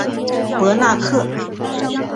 博纳克。